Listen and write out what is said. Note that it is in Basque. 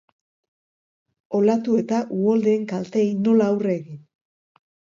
Olatu eta uholdeen kalteei nola aurre egin.